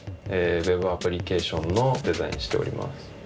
ＷＥＢアプリケーションのデザインしております。